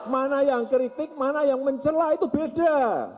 mana yang kritik mana yang mencelah itu beda